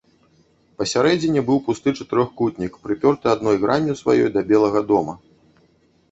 Пасярэдзіне быў пусты чатырохкутнік, прыпёрты адной гранню сваёй да белага дома.